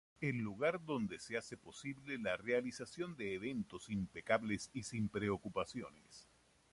El lugar donde se hace posible la realización de eventos impecables y sin preocupaciones.